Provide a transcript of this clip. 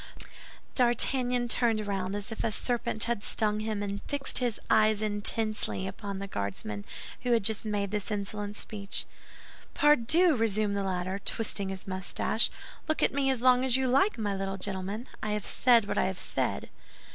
D'Artagnan turned round as if a serpent had stung him, and fixed his eyes intensely upon the Guardsman who had just made this insolent speech. "Pardieu," resumed the latter, twisting his mustache, "look at me as long as you like, my little gentleman! I have said what I have said."